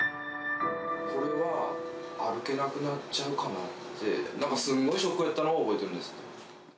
これは歩けなくなっちゃうかなって、なんかすんごいショックやったのは覚えているんです。